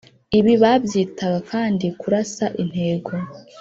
ibi babyitaga kandi kurasa intego.